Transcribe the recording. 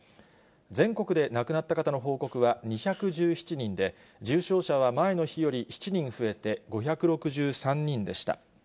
全国で亡くなった方の報告は２１７人で、重症者は前の日より７人増えて５６３人でした。